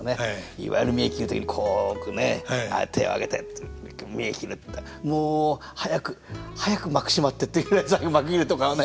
いわゆる見得切る時にこう置くね手を上げて見得切るっていったらもう早く早く幕閉まってっていうぐらい最後幕切れとかはね。